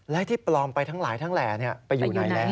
และที่ปลอมไปทั้งหลายทั้งแหล่ไปอยู่ไหนแล้ว